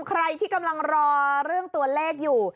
ใครที่กำลังรอเรื่องตัวเลขอยู่